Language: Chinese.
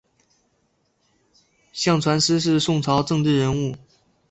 向传师是宋朝政治人物。